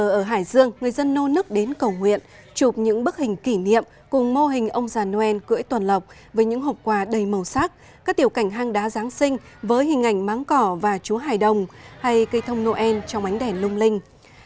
ở hải dương người dân nô nức đến cầu nguyện chụp những bức hình kỷ niệm cùng mô hình ông già noel cưỡi toàn lọc với những hộp quà đầy màu sắc các tiểu cảnh hang đá giáng sinh với hình ảnh máng cỏ và chúa hải đồng hay cây thông noel trong ánh đèn lung linh